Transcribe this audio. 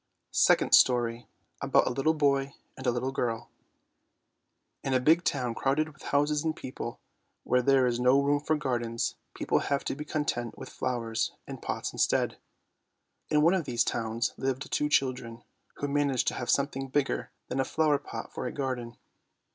SECOND STORY ABOUT A LITTLE BOY AND A LITTLE GIRL In a big town crowded with houses and people, where there is no room for gardens, people have to be content with flowers in pots instead. In one of these towns lived two children who managed to have something bigger than a flower pot for a garden.